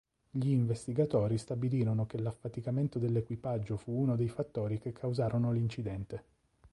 Gli investigatori stabilirono che l'affaticamento dell'equipaggio fu uno dei fattori che causarono l'incidente.